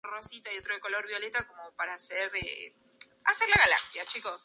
Cuenta con rutas que la unen con todo el país.